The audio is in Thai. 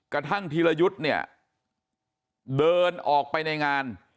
ธีรยุทธ์เนี่ยเดินออกไปในงาน